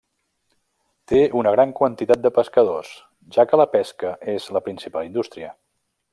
Té una gran quantitat de pescadors, ja que la pesca és la principal indústria.